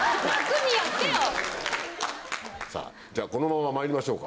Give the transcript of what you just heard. このまままいりましょうか。